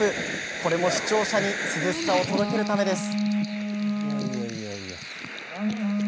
これも視聴者に涼しさを届けるためです。